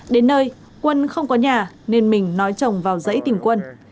đến nơi quân không có nhà nên mình nói chồng vào dãy tìm quân